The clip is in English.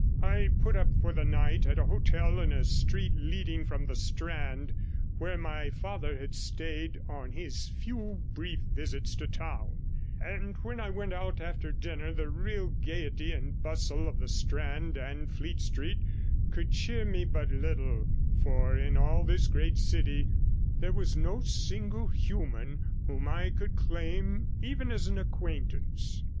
I put up for the night at a hotel in a street leading from the Strand, where my father had stayed on his few brief visits to town; and when I went out after dinner, the real gaiety and bustle of the Strand and Fleet Street could cheer me but little for in all this great city there was no single human whom I could claim even as an acquaintance.